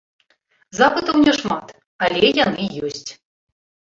Запытаў няшмат, але яны ёсць.